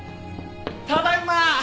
ただいま！